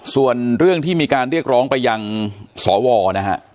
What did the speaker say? ส่วนเรื่องที่มีการเรียกร้องไปยังสวนะฮะ